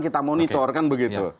kita monitor kan begitu